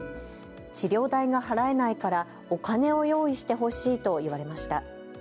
治療代が払えないからお金を用意してほしいと言われました。